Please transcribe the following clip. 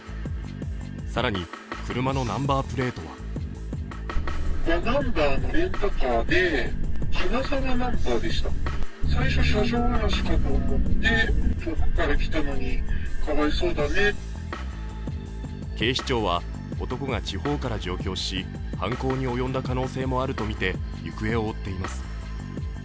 更に、車のナンバープレートは警視庁は男が地方から上京し犯行に及んだ可能性もあるとみて行方を追っています。